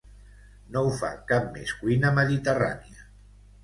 no ho fa cap més cuina mediterrània